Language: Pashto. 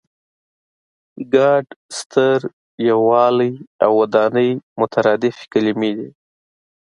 ګډ، ستر، یووالی او ودانۍ مترادفې کلمې دي.